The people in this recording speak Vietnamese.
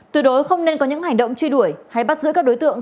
tuyệt đối không nên có những hành động truy đuổi hay bắt giữ các đối tượng